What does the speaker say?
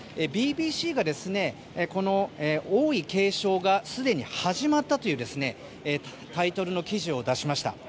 ＢＢＣがこの王位継承がすでに始まったというタイトルの記事を出しました。